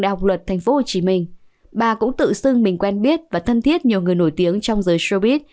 bà lan cũng tự xưng mình quen biết và thân thiết nhiều người nổi tiếng trong giới showbiz